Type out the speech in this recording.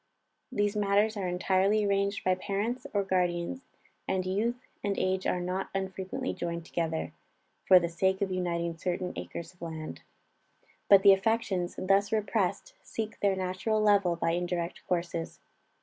These matters are entirely arranged by parents and guardians, and youth and age are not unfrequently joined together, for the sake of uniting certain acres of land. But the affections, thus repressed, seek their natural level by indirect courses.